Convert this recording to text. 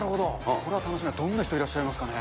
これは楽しみ、どんな人いらっしゃいますかね。